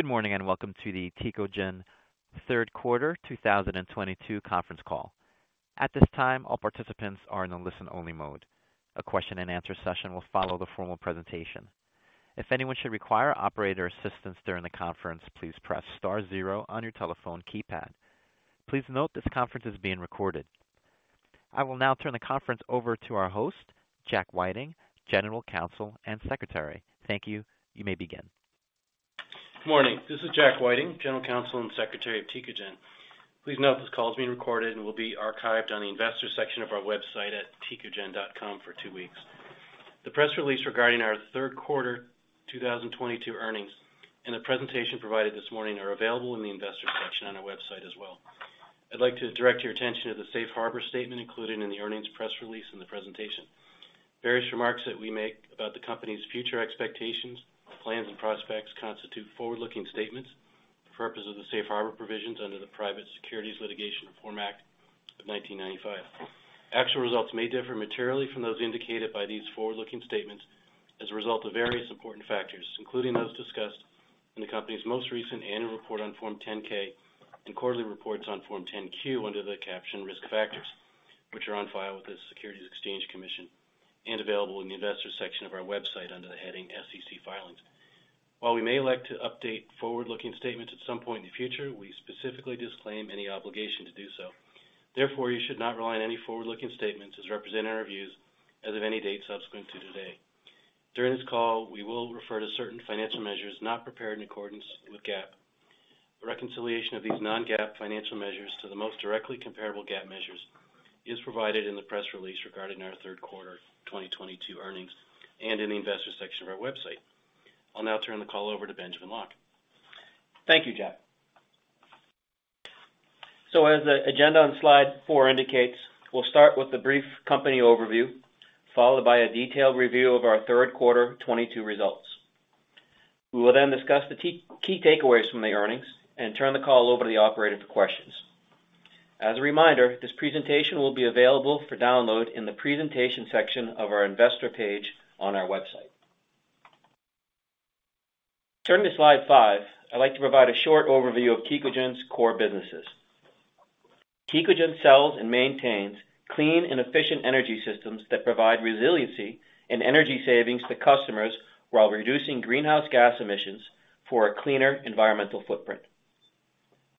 Good morning, and welcome to the Tecogen Third Quarter 2022 Conference Call. At this time, all participants are in a listen-only mode. A question and answer session will follow the formal presentation. If anyone should require operator assistance during the conference, please press star zero on your telephone keypad. Please note this conference is being recorded. I will now turn the conference over to our host, Jack Whiting, General Counsel and Secretary. Thank you. You may begin. Morning. This is Jack Whiting, General Counsel and Secretary of Tecogen. Please note this call is being recorded and will be archived on the investor section of our website at tecogen.com for two weeks. The press release regarding our third quarter 2022 earnings and the presentation provided this morning are available in the investor section on our website as well. I'd like to direct your attention to the Safe Harbor statement included in the earnings press release and the presentation. Various remarks that we make about the company's future expectations, plans and prospects constitute forward-looking statements for purposes of the Safe Harbor provisions under the Private Securities Litigation Reform Act of 1995. Actual results may differ materially from those indicated by these forward-looking statements as a result of various important factors, including those discussed in the company's most recent Annual Report on Form 10-K and quarterly reports on Form 10-Q under the caption Risk Factors, which are on file with the Securities and Exchange Commission and available in the Investor section of our website under the heading SEC Filings. While we may elect to update forward-looking statements at some point in the future, we specifically disclaim any obligation to do so. Therefore, you should not rely on any forward-looking statements as representing our views as of any date subsequent to today. During this call, we will refer to certain financial measures not prepared in accordance with GAAP. A reconciliation of these non-GAAP financial measures to the most directly comparable GAAP measures is provided in the press release regarding our third quarter 2022 earnings and in the Investor section of our website. I'll now turn the call over to Benjamin Locke. Thank you, Jack. As the agenda on slide 4 indicates, we'll start with a brief company overview, followed by a detailed review of our third quarter 2022 results. We will then discuss the key takeaways from the earnings and turn the call over to the operator for questions. As a reminder, this presentation will be available for download in the Presentation section of our Investor page on our website. Turning to slide 5, I'd like to provide a short overview of Tecogen's core businesses. Tecogen sells and maintains clean and efficient energy systems that provide resiliency and energy savings to customers while reducing greenhouse gas emissions for a cleaner environmental footprint.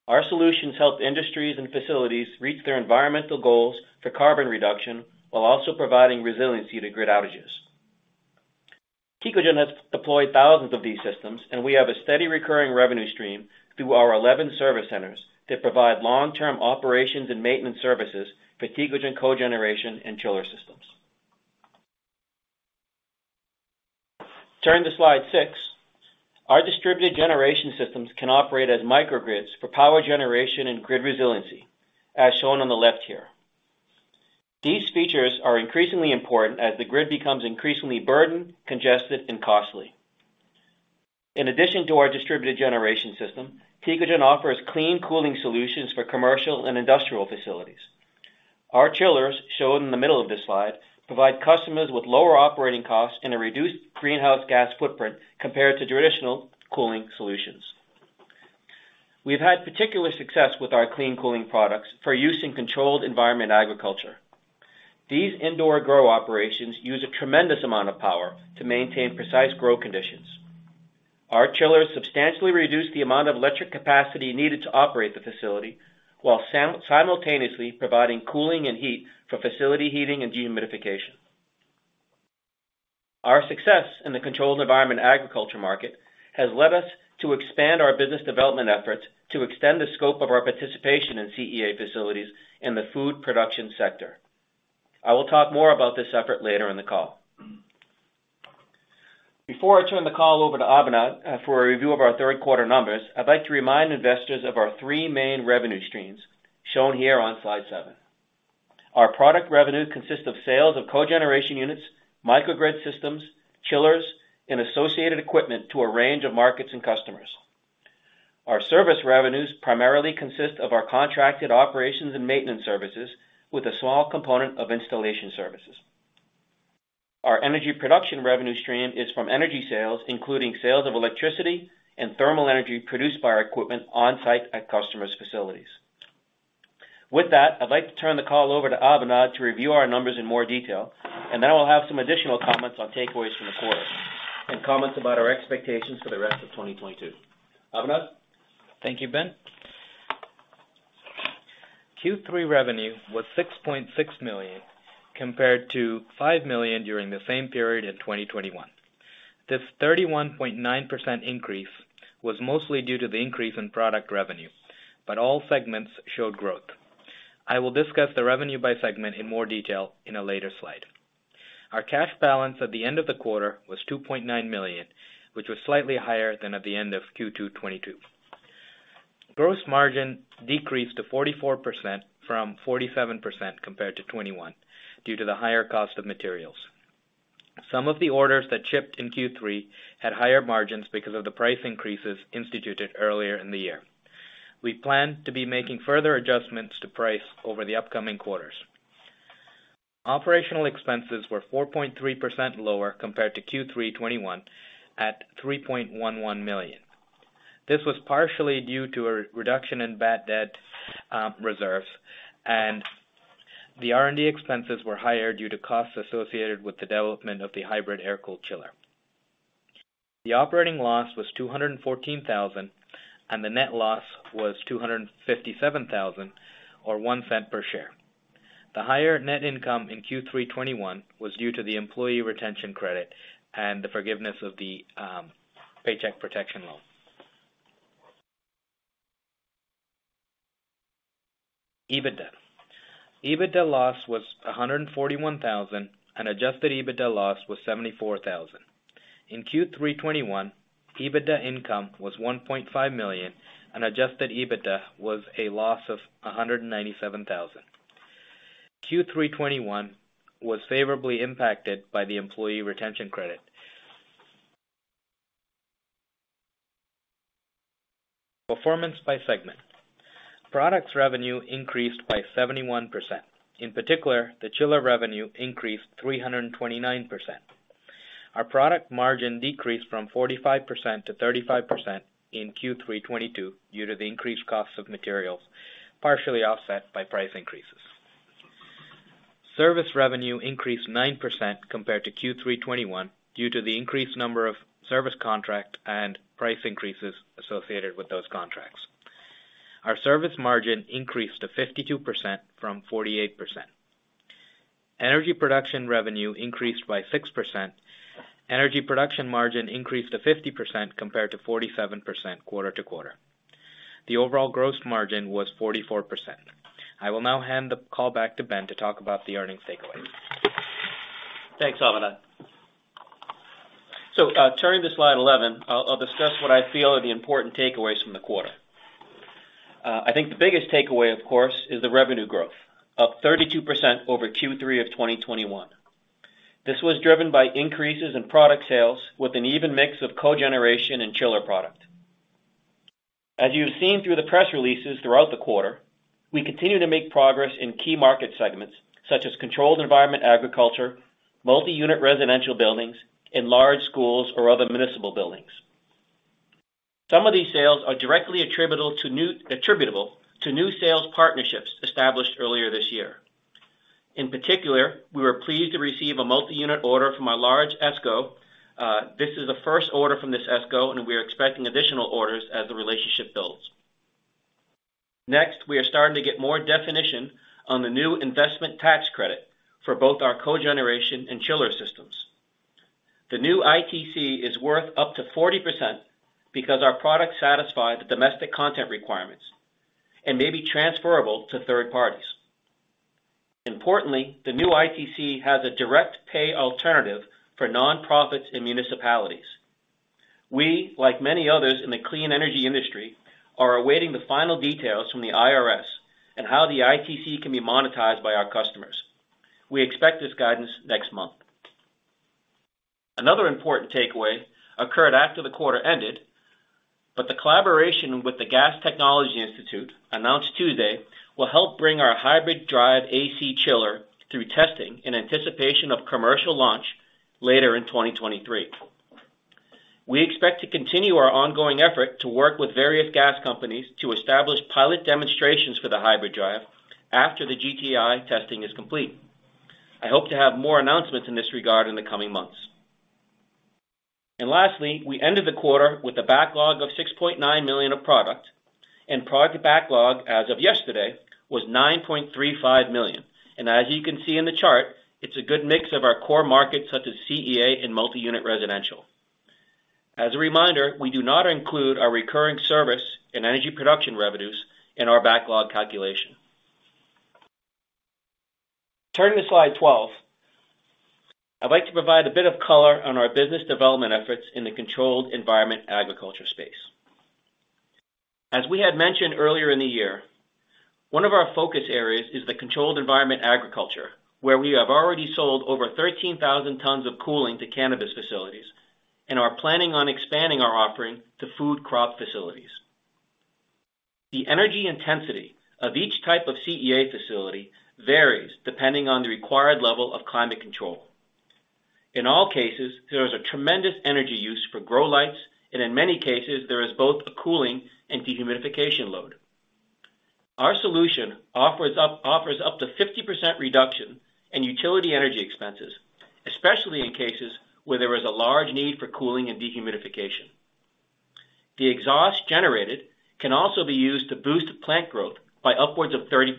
Our solutions help industries and facilities reach their environmental goals for carbon reduction while also providing resiliency to grid outages. Tecogen has deployed thousands of these systems, and we have a steady recurring revenue stream through our 11 service centers that provide long-term operations and maintenance services for Tecogen cogeneration and chiller systems. Turning to slide 6. Our distributed generation systems can operate as microgrids for power generation and grid resiliency, as shown on the left here. These features are increasingly important as the grid becomes increasingly burdened, congested, and costly. In addition to our distributed generation system, Tecogen offers clean cooling solutions for commercial and industrial facilities. Our chillers, shown in the middle of this slide, provide customers with lower operating costs and a reduced greenhouse gas footprint compared to traditional cooling solutions. We've had particular success with our clean cooling products for use in controlled environment agriculture. These indoor grow operations use a tremendous amount of power to maintain precise grow conditions. Our chillers substantially reduce the amount of electric capacity needed to operate the facility, while simultaneously providing cooling and heat for facility heating and dehumidification. Our success in the controlled environment agriculture market has led us to expand our business development efforts to extend the scope of our participation in CEA facilities in the food production sector. I will talk more about this effort later in the call. Before I turn the call over to Abinand, for a review of our third quarter numbers, I'd like to remind investors of our three main revenue streams shown here on slide seven. Our Product revenue consists of sales of cogeneration units, microgrid systems, chillers, and associated equipment to a range of markets and customers. Our Service revenues primarily consist of our contracted operations and maintenance services with a small component of installation services. Our energy production revenue stream is from energy sales, including sales of electricity and thermal energy produced by our equipment on-site at customers' facilities. With that, I'd like to turn the call over to Abinand to review our numbers in more detail, and then I'll have some additional comments on takeaways from the quarter and comments about our expectations for the rest of 2022. Abinand. Thank you, Ben. Q3 revenue was $6.6 million, compared to $5 million during the same period in 2021. This 31.9% increase was mostly due to the increase in Product revenue, but all segments showed growth. I will discuss the revenue by segment in more detail in a later slide. Our cash balance at the end of the quarter was $2.9 million, which was slightly higher than at the end of Q2 2022. Gross margin decreased to 44% from 47% compared to 2021 due to the higher cost of materials. Some of the orders that shipped in Q3 had higher margins because of the price increases instituted earlier in the year. We plan to be making further adjustments to price over the upcoming quarters. Operational expenses were 4.3% lower compared to Q3 2021 at $3.11 million. This was partially due to a reduction in bad debt reserves, and the R&D expenses were higher due to costs associated with the development of the Hybrid-Drive Air-Cooled chiller. The operating loss was $214,000, and the net loss was $257,000 or $0.01 per share. The higher net income in Q3 2021 was due to the Employee Retention Credit and the forgiveness of the Paycheck Protection Program. EBITDA loss was $141,000, and adjusted EBITDA loss was $74,000. In Q3 2021, EBITDA income was $1.5 million, and adjusted EBITDA was a loss of $197,000. Q3 2021 was favorably impacted by the Employee Retention Credit. Performance by segment. Products revenue increased by 71%. In particular, the chiller revenue increased 329%. Our product margin decreased from 45% to 35% in Q3 2022 due to the increased cost of materials, partially offset by price increases. Service revenue increased 9% compared to Q3 2021 due to the increased number of service contract and price increases associated with those contracts. Our service margin increased to 52% from 48%. Energy Production revenue increased by 6%. Energy production margin increased to 50% compared to 47% quarter to quarter. The overall gross margin was 44%. I will now hand the call back to Ben to talk about the earnings takeaways. Thanks, Abinand. Turning to slide 11, I'll discuss what I feel are the important takeaways from the quarter. I think the biggest takeaway, of course, is the revenue growth, up 32% over Q3 of 2021. This was driven by increases in product sales with an even mix of cogeneration and chiller product. As you've seen through the press releases throughout the quarter, we continue to make progress in key market segments such as controlled environment agriculture, multi-unit residential buildings, and large schools or other municipal buildings. Some of these sales are directly attributable to new sales partnerships established earlier this year. In particular, we were pleased to receive a multi-unit order from a large ESCO. This is the first order from this ESCO, and we are expecting additional orders as the relationship builds. Next, we are starting to get more definition on the new investment tax credit for both our cogeneration and chiller systems. The new ITC is worth up to 40% because our products satisfy the domestic content requirements and may be transferable to third parties. Importantly, the new ITC has a direct pay alternative for nonprofits and municipalities. We, like many others in the clean energy industry, are awaiting the final details from the IRS and how the ITC can be monetized by our customers. We expect this guidance next month. Another important takeaway occurred after the quarter ended, but the collaboration with the Gas Technology Institute announced Tuesday will help bring our Hybrid Drive AC chiller through testing in anticipation of commercial launch later in 2023. We expect to continue our ongoing effort to work with various gas companies to establish pilot demonstrations for the hybrid drive after the GTI testing is complete. I hope to have more announcements in this regard in the coming months. Lastly, we ended the quarter with a backlog of $6.9 million of product, and product backlog as of yesterday was $9.35 million. As you can see in the chart, it's a good mix of our core markets such as CEA and multi-unit residential. As a reminder, we do not include our recurring service and Energy Production revenues in our backlog calculation. Turning to slide 12, I'd like to provide a bit of color on our business development efforts in the controlled environment agriculture space. As we had mentioned earlier in the year, one of our focus areas is the controlled environment agriculture, where we have already sold over 13,000 tons of cooling to cannabis facilities and are planning on expanding our offering to food crop facilities. The energy intensity of each type of CEA facility varies depending on the required level of climate control. In all cases, there is a tremendous energy use for grow lights, and in many cases, there is both a cooling and dehumidification load. Our solution offers up to 50% reduction in utility energy expenses, especially in cases where there is a large need for cooling and dehumidification. The exhaust generated can also be used to boost plant growth by upwards of 30%.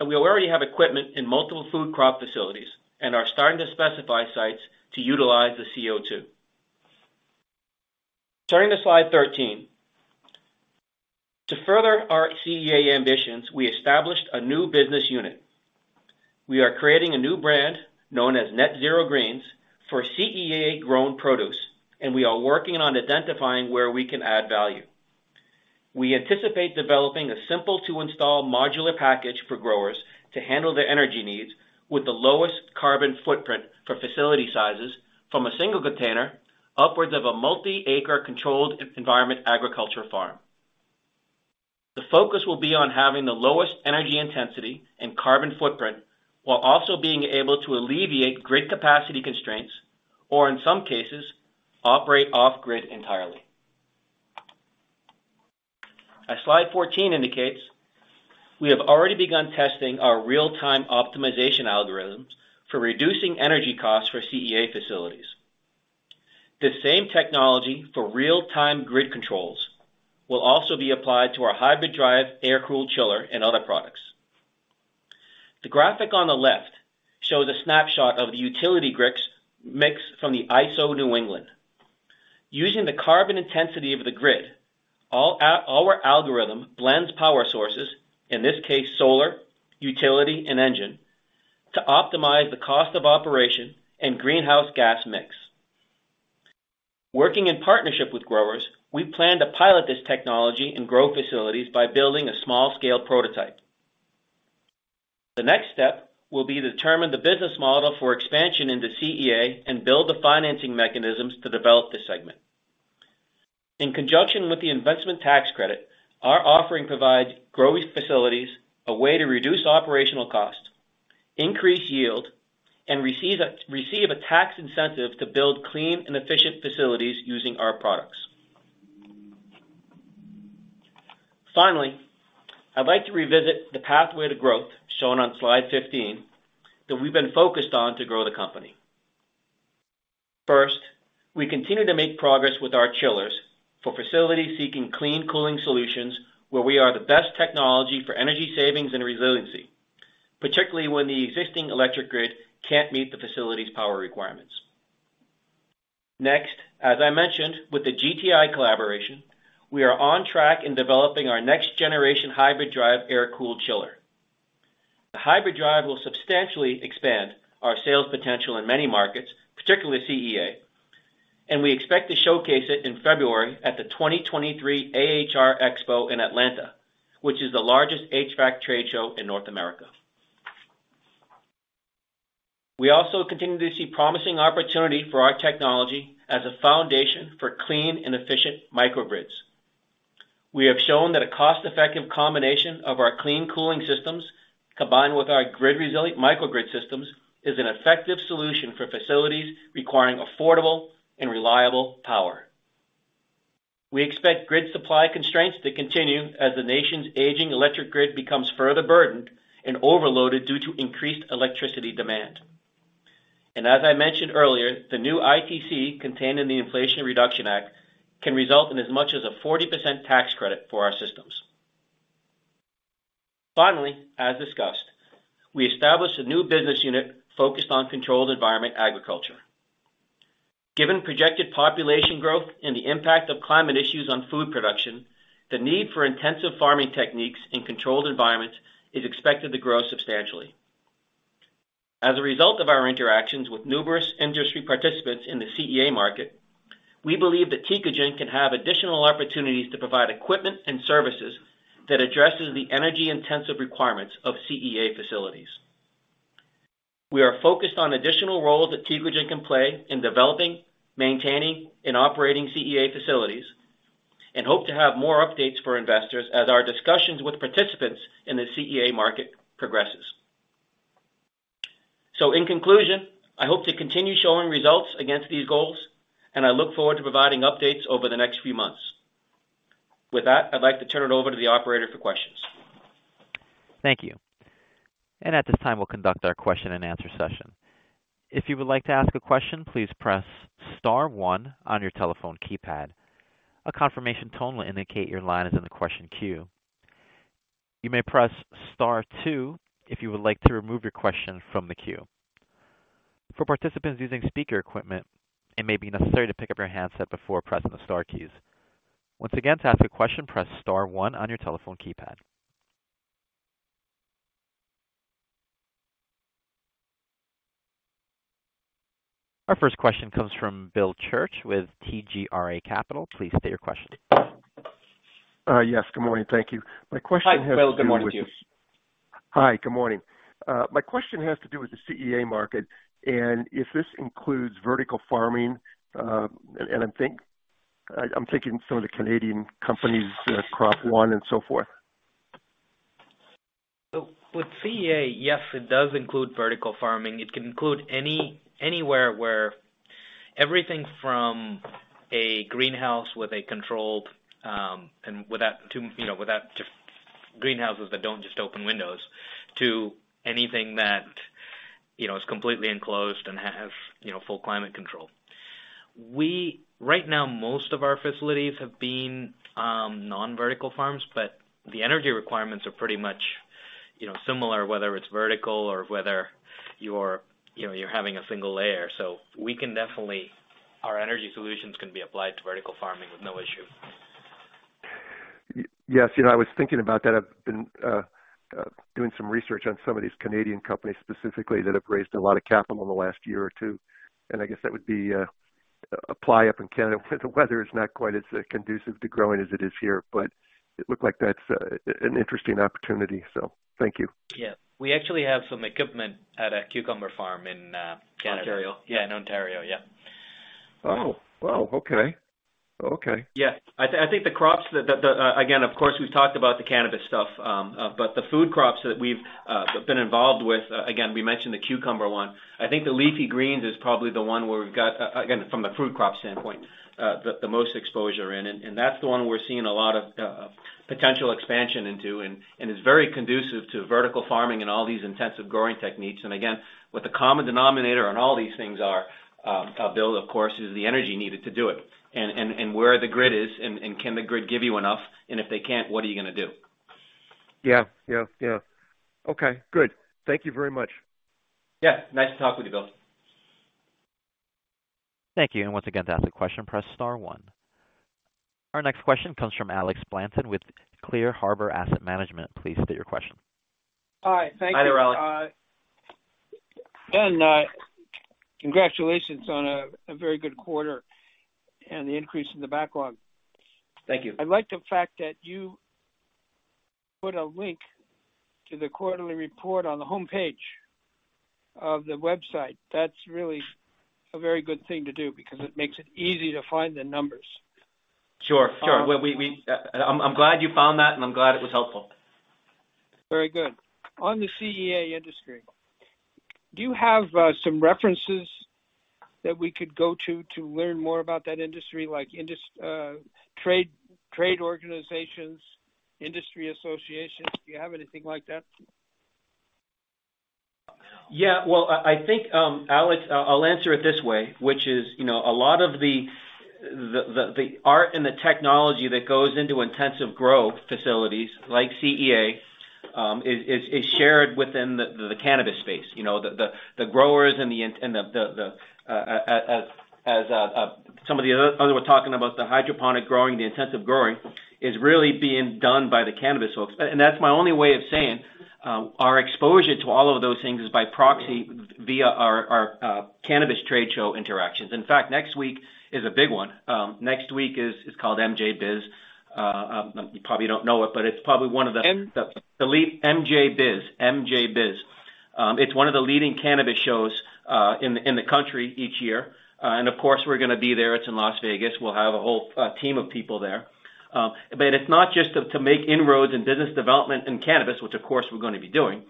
We already have equipment in multiple food crop facilities and are starting to specify sites to utilize the CO2. Turning to slide 13. To further our CEA ambitions, we established a new business unit. We are creating a new brand known as NetZero Greens for CEA-grown produce, and we are working on identifying where we can add value. We anticipate developing a simple-to-install modular package for growers to handle their energy needs with the lowest carbon footprint for facility sizes from a single container upwards of a multi-acre controlled environment agriculture farm. The focus will be on having the lowest energy intensity and carbon footprint while also being able to alleviate grid capacity constraints or in some cases, operate off grid entirely. As slide 14 indicates, we have already begun testing our real-time optimization algorithms for reducing energy costs for CEA facilities. The same technology for real-time grid controls will also be applied to our Hybrid-Drive Air-Cooled chiller and other products. The graphic on the left shows a snapshot of the utility grid mix from the ISO New England. Using the carbon intensity of the grid, our algorithm blends power sources, in this case solar, utility, and engine, to optimize the cost of operation and greenhouse gas mix. Working in partnership with growers, we plan to pilot this technology in grow facilities by building a small-scale prototype. The next step will be to determine the business model for expansion into CEA and build the financing mechanisms to develop this segment. In conjunction with the investment tax credit, our offering provides growing facilities a way to reduce operational costs, increase yield, and receive a tax incentive to build clean and efficient facilities using our products. Finally, I'd like to revisit the pathway to growth, shown on slide 15, that we've been focused on to grow the company. First, we continue to make progress with our chillers for facilities seeking clean cooling solutions where we are the best technology for energy savings and resiliency, particularly when the existing electric grid can't meet the facility's power requirements. Next, as I mentioned with the GTI collaboration, we are on track in developing our next generation Hybrid-Drive Air-Cooled chiller. The hybrid drive will substantially expand our sales potential in many markets, particularly CEA, and we expect to showcase it in February at the 2023 AHR Expo in Atlanta, which is the largest HVAC trade show in North America. We also continue to see promising opportunity for our technology as a foundation for clean and efficient microgrids. We have shown that a cost-effective combination of our clean cooling systems, combined with our grid resilient microgrid systems, is an effective solution for facilities requiring affordable and reliable power. We expect grid supply constraints to continue as the nation's aging electric grid becomes further burdened and overloaded due to increased electricity demand. As I mentioned earlier, the new ITC contained in the Inflation Reduction Act can result in as much as a 40% tax credit for our systems. Finally, as discussed, we established a new business unit focused on controlled environment agriculture. Given projected population growth and the impact of climate issues on food production, the need for intensive farming techniques in controlled environments is expected to grow substantially. As a result of our interactions with numerous industry participants in the CEA market, we believe that Tecogen can have additional opportunities to provide equipment and services that addresses the energy-intensive requirements of CEA facilities. We are focused on additional roles that Tecogen can play in developing, maintaining, and operating CEA facilities, and hope to have more updates for investors as our discussions with participants in the CEA market progresses. In conclusion, I hope to continue showing results against these goals, and I look forward to providing updates over the next few months. With that, I'd like to turn it over to the operator for questions. Thank you. At this time, we'll conduct our question-and-answer session. If you would like to ask a question, please press star one on your telephone keypad. A confirmation tone will indicate your line is in the question queue. You may press star two if you would like to remove your question from the queue. For participants using speaker equipment, it may be necessary to pick up your handset before pressing the star keys. Once again, to ask a question, press star one on your telephone keypad. Our first question comes from Bill Church with TGRA Capital. Please state your question. Yes, good morning. Thank you. My question has to do with. Hi, Bill. Good morning to you. Hi. Good morning. My question has to do with the CEA market and if this includes vertical farming. I'm thinking some of the Canadian companies, Crop One and so forth. With CEA, yes, it does include vertical farming. It can include any, anywhere where everything from a greenhouse with a controlled, you know, without just greenhouses that don't just open windows to anything that, you know, is completely enclosed and have, you know, full climate control. Right now, most of our facilities have been non-vertical farms, but the energy requirements are pretty much, you know, similar whether it's vertical or whether you're, you know, having a single layer. Our energy solutions can be applied to vertical farming with no issue. Yes, you know, I was thinking about that. I've been doing some research on some of these Canadian companies specifically that have raised a lot of capital in the last year or two, and I guess that would be applicable up in Canada where the weather is not quite as conducive to growing as it is here. It looked like that's an interesting opportunity, so thank you. Yeah. We actually have some equipment at a cucumber farm in Canada. Ontario. Yeah, in Ontario. Yeah. Oh, wow. Okay. Okay. Yeah. I think the crops that again, of course, we've talked about the cannabis stuff, but the food crops that we've been involved with, again, we mentioned the cucumber one. I think the leafy greens is probably the one where we've got again, from the fruit crop standpoint, the most exposure in. That's the one we're seeing a lot of potential expansion into and is very conducive to vertical farming and all these intensive growing techniques. Again, what the common denominator on all these things are, Bill, of course, is the energy needed to do it. Where the grid is and can the grid give you enough? If they can't, what are you gonna do? Yeah. Okay. Good. Thank you very much. Yeah. Nice to talk with you, Bill. Thank you. Once again, to ask a question, press star one. Our next question comes from Alex Blanton with Clear Harbor Asset Management. Please state your question. Hi. Thank you. Hi there, Alex. Ben, congratulations on a very good quarter and the increase in the backlog. Thank you. I like the fact that you put a link to the quarterly report on the homepage of the website. That's really a very good thing to do because it makes it easy to find the numbers. Sure. I'm glad you found that, and I'm glad it was helpful. Very good. On the CEA industry, do you have some references that we could go to learn more about that industry, like trade organizations, industry associations? Do you have anything like that? Yeah. Well, I think, Alex, I'll answer it this way, which is, you know, a lot of the art and the technology that goes into intensive grow facilities like CEA is shared within the cannabis space. You know, the growers and as some of the others were talking about the hydroponic growing, the intensive growing is really being done by the cannabis folks. That's my only way of saying, our exposure to all of those things is by proxy via our cannabis trade show interactions. In fact, next week is a big one. Next week is called MJBizCon. You probably don't know it, but it's probably one of the M? MJBizCon. It's one of the leading cannabis shows in the country each year. Of course, we're gonna be there. It's in Las Vegas. We'll have a whole team of people there. It's not just to make inroads in business development in cannabis, which of course we're gonna be doing,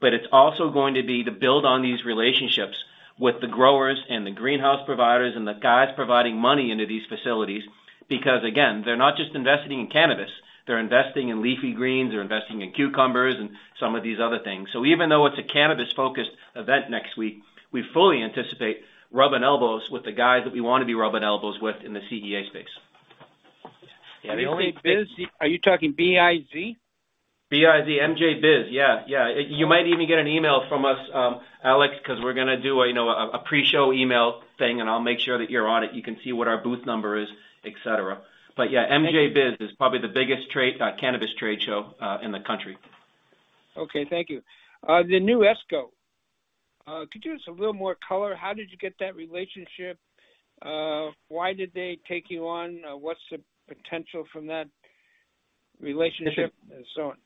but it's also going to be to build on these relationships with the growers and the greenhouse providers and the guys providing money into these facilities. Because again, they're not just investing in cannabis, they're investing in leafy greens, they're investing in cucumbers and some of these other things. Even though it's a cannabis-focused event next week, we fully anticipate rubbing elbows with the guys that we wanna be rubbing elbows with in the CEA space. MJBizCon? Are you talking B-I-Z? B-I-Z. MJBizCon. Yeah. Yeah. You might even get an email from us, Alex, 'cause we're gonna do a, you know, a pre-show email thing, and I'll make sure that you're on it. You can see what our booth number is, et cetera. Yeah, MJBizCon is probably the biggest cannabis trade show in the country. Okay, thank you. The new ESCO, could you give us a little more color? How did you get that relationship? Why did they take you on? What's the potential from that relationship and so on?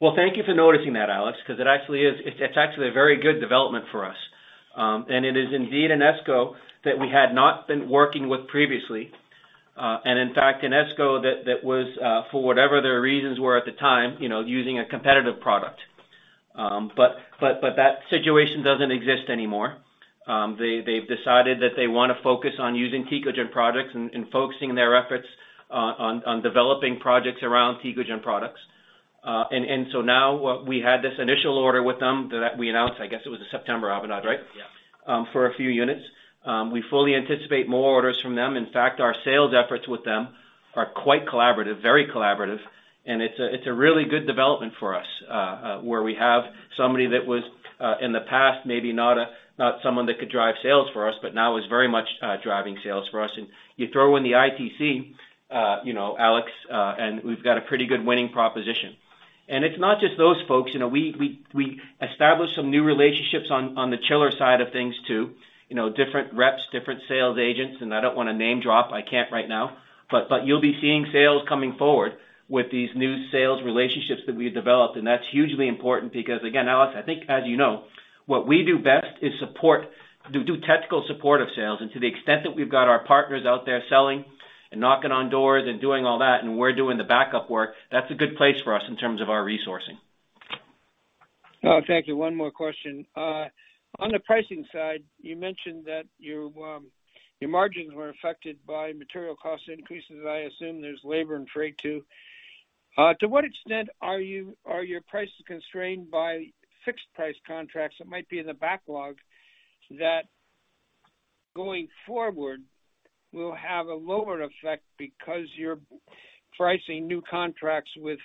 Well, thank you for noticing that, Alex, 'cause it actually is. It's actually a very good development for us. It is indeed an ESCO that we had not been working with previously. In fact, an ESCO that was, for whatever their reasons were at the time, you know, using a competitive product. But that situation doesn't exist anymore. They've decided that they wanna focus on using Tecogen products and focusing their efforts on developing projects around Tecogen products. Now we had this initial order with them that we announced, I guess it was the September, Abinand, right? Yeah. For a few units. We fully anticipate more orders from them. In fact, our sales efforts with them are quite collaborative, very collaborative. It's a really good development for us, where we have somebody that was, in the past, maybe not someone that could drive sales for us, but now is very much driving sales for us. You throw in the ITC, you know, Alex, and we've got a pretty good winning proposition. It's not just those folks. You know, we established some new relationships on the chiller side of things too. You know, different reps, different sales agents. I don't wanna name drop. I can't right now, but you'll be seeing sales coming forward with these new sales relationships that we've developed. That's hugely important because again, Alex, I think as you know, what we do best is do technical support of sales. To the extent that we've got our partners out there selling and knocking on doors and doing all that, and we're doing the backup work, that's a good place for us in terms of our resourcing. Oh, thank you. One more question. On the pricing side, you mentioned that your your margins were affected by material cost increases. I assume there's labor and freight too. To what extent are your prices constrained by fixed price contracts that might be in the backlog that going forward will have a lower effect because you're pricing new contracts with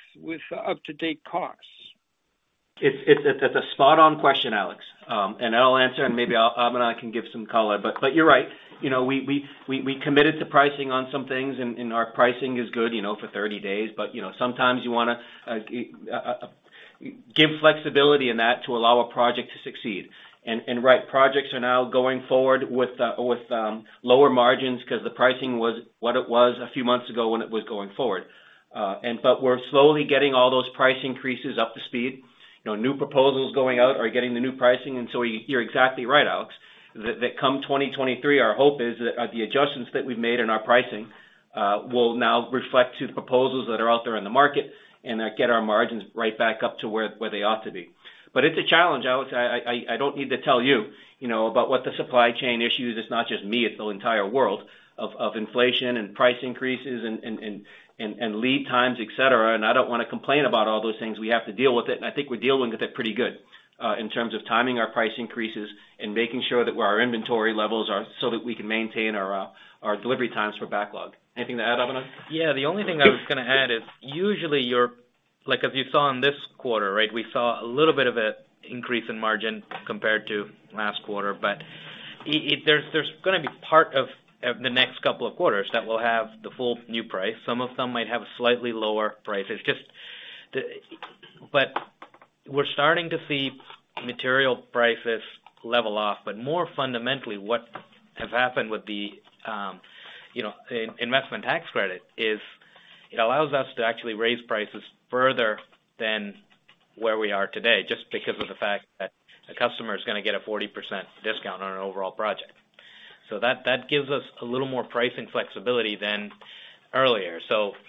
up-to-date costs? It's a spot on question, Alex. I'll answer and maybe Abinand can give some color. You're right. You know, we committed to pricing on some things and our pricing is good, you know, for thirty days. You know, sometimes you wanna give flexibility in that to allow a project to succeed. Right projects are now going forward with lower margins 'cause the pricing was what it was a few months ago when it was going forward. But we're slowly getting all those price increases up to speed. You know, new proposals going out are getting the new pricing. You're exactly right, Alex, that come 2023, our hope is that the adjustments that we've made in our pricing will now reflect to the proposals that are out there in the market and get our margins right back up to where they ought to be. It's a challenge, Alex. I don't need to tell you know, about what the supply chain issue is. It's not just me, it's the entire world of inflation and price increases and lead times, et cetera. I don't wanna complain about all those things. We have to deal with it. I think we're dealing with it pretty good in terms of timing our price increases and making sure that our inventory levels are so that we can maintain our delivery times for backlog. Anything to add, Abinand Rangesh? Yeah. The only thing I was gonna add is usually, like, as you saw in this quarter, right? We saw a little bit of a increase in margin compared to last quarter. It-- there's gonna be part of the next couple of quarters that will have the full new price. Some of them might have slightly lower prices. Just the. But we're starting to see material prices level off. But more fundamentally, what has happened with the investment tax credit is it allows us to actually raise prices further than where we are today, just because of the fact that a customer is gonna get a 40% discount on an overall project. That gives us a little more pricing flexibility than earlier.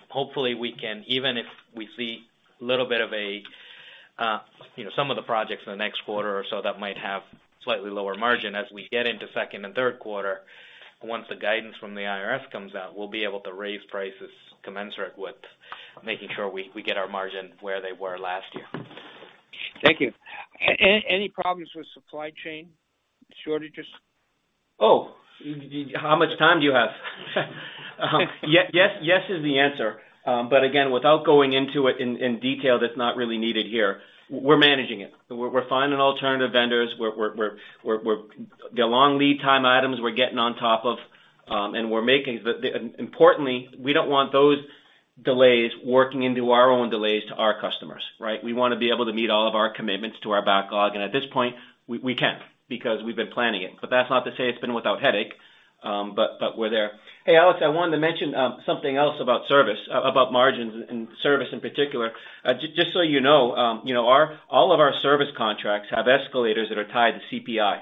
Hopefully we can even if we see a little bit of a, you know, some of the projects in the next quarter or so that might have slightly lower margin as we get into second and third quarter, once the guidance from the IRS comes out, we'll be able to raise prices commensurate with making sure we get our margin where they were last year. Thank you. Any problems with supply chain shortages? Oh, how much time do you have? Yes is the answer. But again, without going into it in detail, that's not really needed here, we're managing it. We're finding alternative vendors. The long lead time items we're getting on top of, and importantly, we don't want those delays working into our own delays to our customers, right? We wanna be able to meet all of our commitments to our backlog, and at this point, we can't because we've been planning it. That's not to say it's been without headache, but we're there. Hey, Alex, I wanted to mention something else about service, about margins and service in particular. Just so you know, you know, all of our service contracts have escalators that are tied to CPI.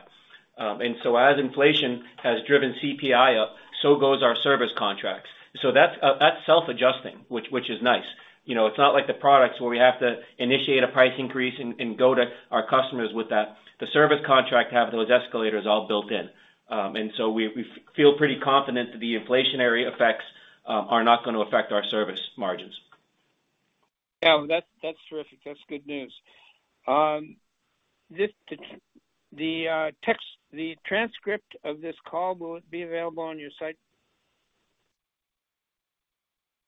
As inflation has driven CPI up, so goes our service contracts. That's self-adjusting, which is nice. You know, it's not like the products where we have to initiate a price increase and go to our customers with that. The service contract have those escalators all built in. We feel pretty confident that the inflationary effects are not gonna affect our service margins. Yeah, that's terrific. That's good news. The transcript of this call will be available on your site?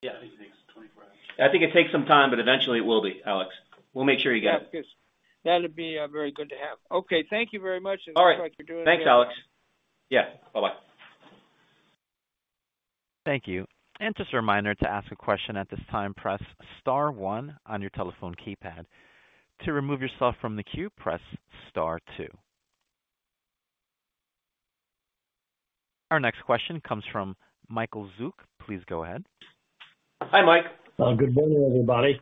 Yeah. I think it takes 24 hours. I think it takes some time, but eventually it will be, Alex. We'll make sure you get it. Yeah, because that'll be very good to have. Okay, thank you very much. All right. It looks like we're doing- Thanks, Alex. Yeah. Bye-bye. Thank you. Just a reminder, to ask a question at this time, press star one on your telephone keypad. To remove yourself from the queue, press star two. Our next question comes from Michael Zuk. Please go ahead. Hi, Mike. Good morning, everybody.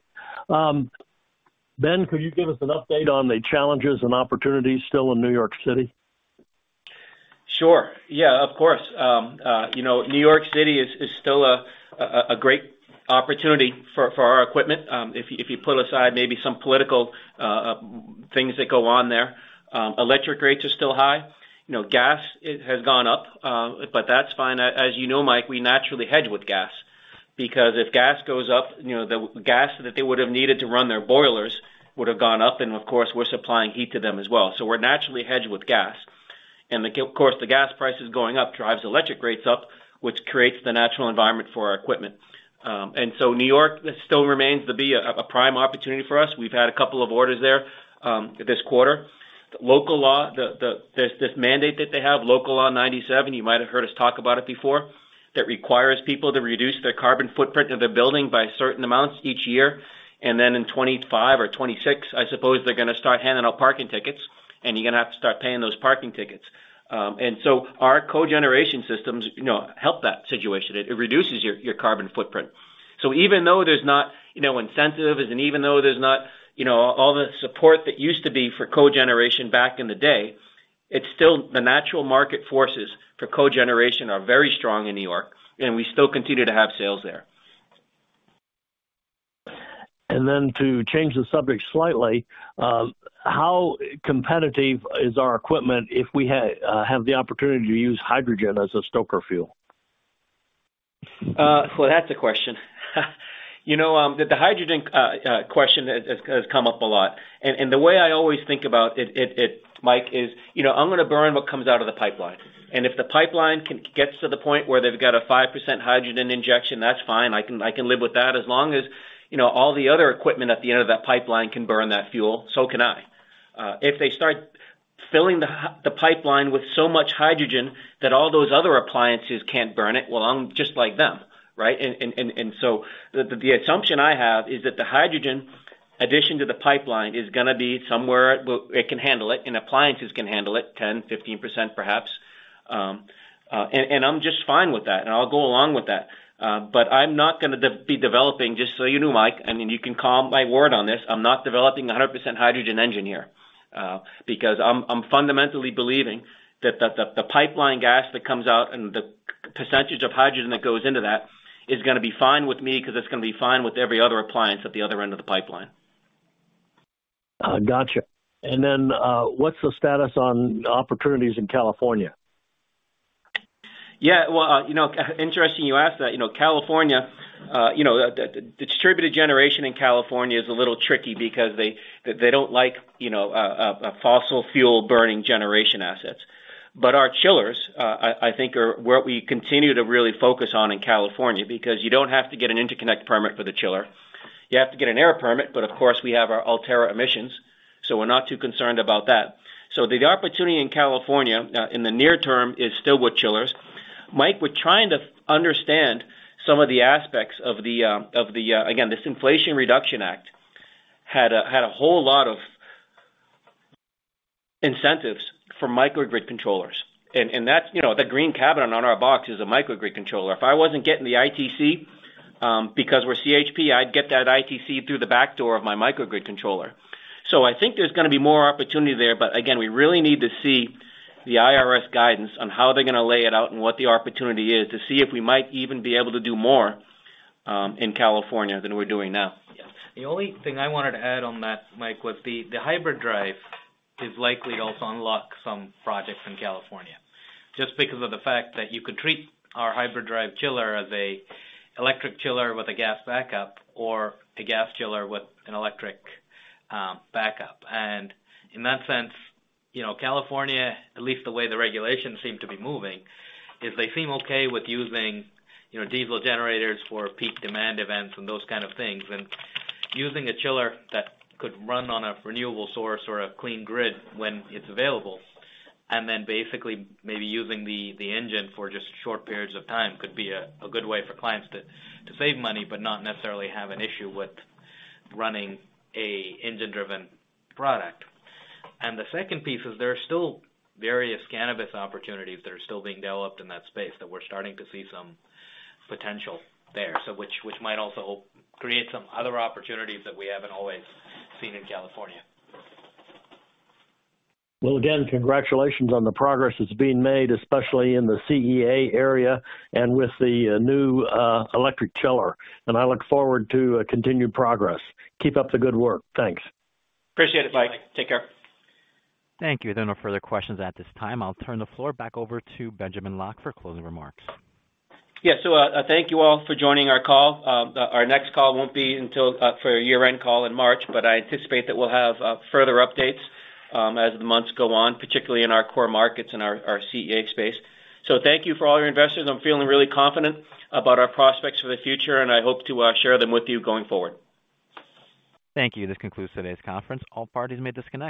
Ben, could you give us an update on the challenges and opportunities still in New York City? Sure. Yeah, of course. You know, New York City is still a great opportunity for our equipment, if you put aside maybe some political things that go on there. Electric rates are still high. You know, gas it has gone up, but that's fine. As you know, Mike, we naturally hedge with gas because if gas goes up, you know, the gas that they would have needed to run their boilers would have gone up, and of course, we're supplying heat to them as well. So we're naturally hedged with gas. Of course, the gas prices going up drives electric rates up, which creates the natural environment for our equipment. New York still remains to be a prime opportunity for us. We've had a couple of orders there this quarter. There's this mandate that they have, Local Law 97. You might have heard us talk about it before, that requires people to reduce their carbon footprint of their building by certain amounts each year. In 2025 or 2026, I suppose they're gonna start handing out parking tickets, and you're gonna have to start paying those parking tickets. Our cogeneration systems, you know, help that situation. It reduces your carbon footprint. Even though there's not, you know, incentives, and even though there's not, you know, all the support that used to be for cogeneration back in the day, the natural market forces for cogeneration are very strong in New York, and we still continue to have sales there. To change the subject slightly, how competitive is our equipment if we have the opportunity to use hydrogen as a stoker fuel? Well, that's a question. You know, the hydrogen question has come up a lot. The way I always think about it, Mike, is, you know, I'm gonna burn what comes out of the pipeline. If the pipeline gets to the point where they've got a 5% hydrogen injection, that's fine. I can live with that as long as, you know, all the other equipment at the end of that pipeline can burn that fuel, so can I. If they start filling the pipeline with so much hydrogen that all those other appliances can't burn it, well, I'm just like them, right? The assumption I have is that the hydrogen addition to the pipeline is gonna be somewhere where it can handle it and appliances can handle it, 10%-15%, perhaps. I'm just fine with that, and I'll go along with that. But I'm not gonna be developing, just so you know, Mike, I mean, you can take my word on this, I'm not developing a 100% hydrogen engine here, because I'm fundamentally believing that the pipeline gas that comes out and the percentage of hydrogen that goes into that is gonna be fine with me 'cause it's gonna be fine with every other appliance at the other end of the pipeline. Gotcha. What's the status on opportunities in California? Yeah. Well, you know, interesting you ask that. You know, California, you know, the distributed generation in California is a little tricky because they don't like, you know, fossil fuel burning generation assets. Our chillers, I think are where we continue to really focus on in California because you don't have to get an interconnect permit for the chiller. You have to get an air permit, but of course, we have our Ultera emissions, so we're not too concerned about that. The opportunity in California, in the near term is still with chillers. Mike, we're trying to understand some of the aspects of the, again, this Inflation Reduction Act had a whole lot of incentives for microgrid controllers. That's, you know, the green cabinet on our box is a microgrid controller. If I wasn't getting the ITC, because we're CHP, I'd get that ITC through the backdoor of my microgrid controller. I think there's gonna be more opportunity there, but again, we really need to see the IRS guidance on how they're gonna lay it out and what the opportunity is to see if we might even be able to do more, in California than we're doing now. The only thing I wanted to add on that, Mike, was the hybrid drive is likely also unlock some projects in California, just because of the fact that you could treat our hybrid drive chiller as a electric chiller with a gas backup or a gas chiller with an electric backup. In that sense, you know, California, at least the way the regulations seem to be moving, is they seem okay with using, you know, diesel generators for peak demand events and those kind of things. Using a chiller that could run on a renewable source or a clean grid when it's available, and then basically maybe using the engine for just short periods of time could be a good way for clients to save money, but not necessarily have an issue with running a engine-driven product. The second piece is there are still various cannabis opportunities that are still being developed in that space that we're starting to see some potential there, so which might also create some other opportunities that we haven't always seen in California. Well, again, congratulations on the progress that's being made, especially in the CEA area and with the new electric chiller. I look forward to continued progress. Keep up the good work. Thanks. Appreciate it, Mike. Take care. Thank you. There are no further questions at this time. I'll turn the floor back over to Benjamin Locke for closing remarks. Yeah. Thank you all for joining our call. Our next call won't be until our year-end call in March, but I anticipate that we'll have further updates as the months go on, particularly in our core markets and our CEA space. Thank you for all your investors. I'm feeling really confident about our prospects for the future, and I hope to share them with you going forward. Thank you. This concludes today's conference. All parties may disconnect.